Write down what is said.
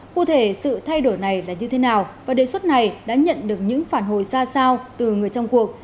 cụ thể sự thay đổi này là như thế nào và đề xuất này đã nhận được những phản hồi ra sao từ người trong cuộc